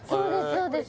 そうです